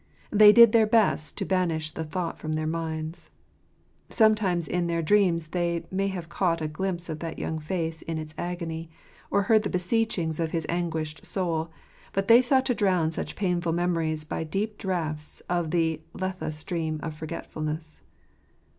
They did their best to banish the thought from their minds. Sometimes in their dreams they may have caught a glimpse of that young face in its agony, or heard the beseechings of his anguished soul ; but they sought to drown such painful memories by deep" draughts of the Lethe stream of forgetfulness.